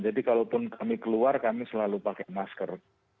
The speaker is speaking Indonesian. jadi kalau pun kami keluar kami selalu pakai masker